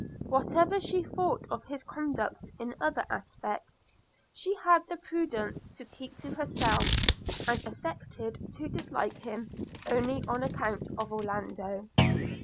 Whatever she thought of his conduct in other respects, she had the prudence to keep to herself, and affected to dislike him only on account of Orlando.